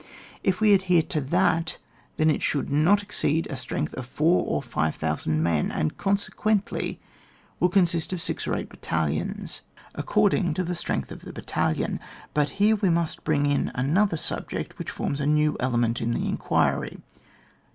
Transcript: If we adhere to tliatj then it should not exceed a strength of 4,000 or 5,000 men; and, consequently, will consist of six or eight battalions, according to the strength of the battalion. But here we must bring in another subject, which forms a now element in the inquiry.